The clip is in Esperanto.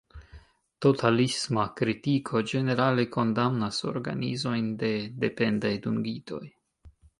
Totalisma kritiko ĝenerale kondamnas organizojn de dependaj dungitoj.